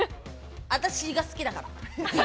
私が好きだから。